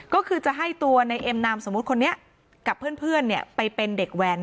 ก็คือจะให้ตัวในเอ็มนามกับเพื่อนไปเป็นเด็กแว้น